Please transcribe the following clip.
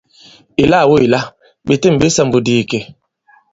Èlâ-o èla! Ɓè têm ɓe sāmbu àdì ìkè.